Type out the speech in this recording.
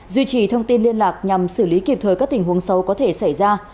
duy trì thông tin liên lạc nhằm xử lý kịp thời các tình huống xấu có thể xảy ra